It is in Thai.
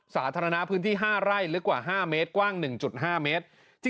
สาธารณะพื้นที่๕ไร่ลึกกว่า๕เมตรกว้าง๑๕เมตร